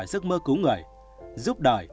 giấc mơ cứu người giúp đời